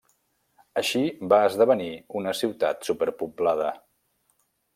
Així va esdevenir una ciutat superpoblada.